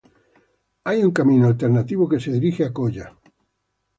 Hay un camino alternativo que se dirige a Coya.